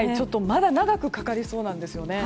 まだ長くかかりそうなんですよね。